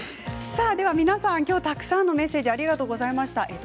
皆さん、たくさんのメッセージありがとうございました。